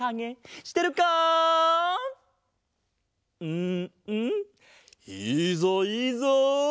うんうんいいぞいいぞ！